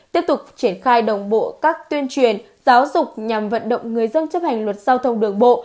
tiếp tục triển khai đồng bộ các tuyên truyền giáo dục nhằm vận động người dân chấp hành luật giao thông đường bộ